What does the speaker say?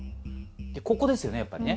ここですよねやっぱりね。